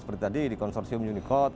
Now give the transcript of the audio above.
seperti tadi di konsorsium unicord